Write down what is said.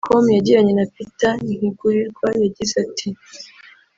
com yagiranye na Peter Ntigurirwa yagize ati